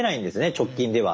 直近では。